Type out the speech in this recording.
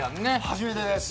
初めてです。